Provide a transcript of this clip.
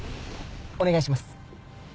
お願いします。